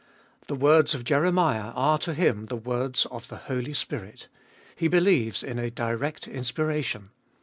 The words of Jeremiah are to him the words of the Holy Spirit. He believes in a direct inspiration.